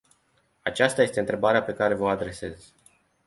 Aceasta este întrebarea pe care v-o adresez.